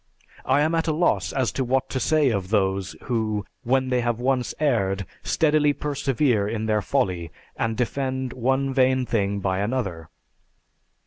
I am at a loss as to what to say of those, who, when they have once erred, steadily persevere in their folly, and defend one vain thing by another."